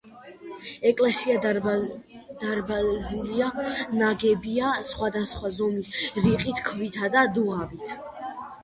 ეკლესია დარბაზულია, ნაგებია სხვადასხვა ზომის რიყის ქვითა და დუღაბით.